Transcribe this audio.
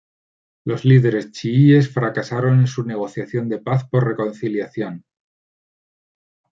Los líderes chiíes fracasaron en su negociación de paz por reconciliación.